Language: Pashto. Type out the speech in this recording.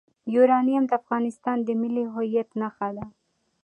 یورانیم د افغانستان د ملي هویت نښه ده.